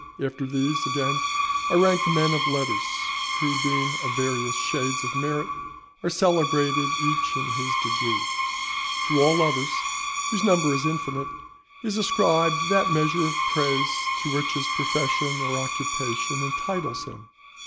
After these, again, are ranked men of letters, who being of various shades of merit are celebrated each in his degree. To all others, whose number is infinite, is ascribed that measure of praise to which his profession or occupation entitles him.